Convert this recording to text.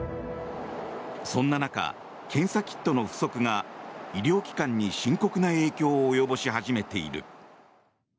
そんな中、検査キットの不足が医療機関に深刻な影響を及ぼし始めている。